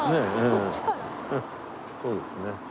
そうですね。